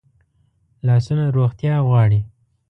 لاسونه روغتیا غواړي